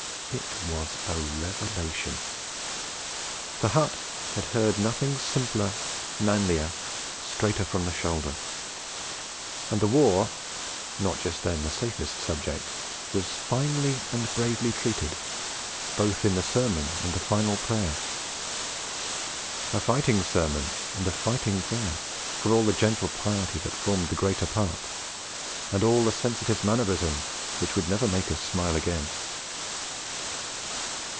It was a revelation. The hut had heard nothing simpler, manlier, straighter from the shoulder; and the war, not just then the safest subject, was finely and bravely treated, both in the sermon and the final prayer. A fighting sermon and a fighting prayer, for all the gentle piety that formed the greater part, and all the sensitive mannerism which would never make us smile again.